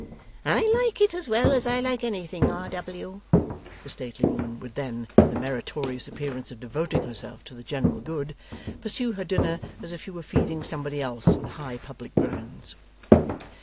'I like it as well as I like anything, R. W.' The stately woman would then, with a meritorious appearance of devoting herself to the general good, pursue her dinner as if she were feeding somebody else on high public grounds.